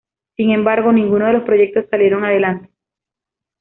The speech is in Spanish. Sin embargo, ninguno de los proyectos salieron adelante.